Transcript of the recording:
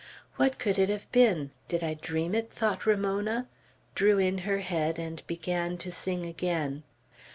"What could it have been? Did I dream it?" thought Ramona, drew in her head, and began to sing again.